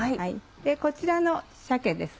こちらの鮭です。